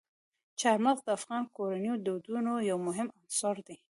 چار مغز د افغان کورنیو د دودونو یو مهم عنصر دی.